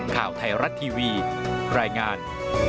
ข่าวไทยรัฐทีวีรายงาน